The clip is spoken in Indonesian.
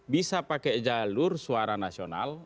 bisa pakai jalur suara nasional